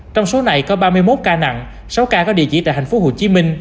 trong số này có ba mươi một ca nặng sáu ca có địa chỉ tại tp hcm